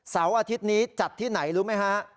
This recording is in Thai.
อาทิตย์นี้จัดที่ไหนรู้ไหมฮะ